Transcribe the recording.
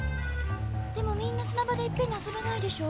でもみんな砂場でいっぺんに遊べないでしょ？